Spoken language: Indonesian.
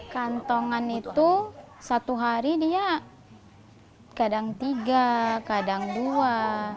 kantongan itu satu hari dia kadang tiga kadang dua